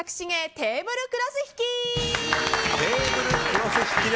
テーブルクロス引き。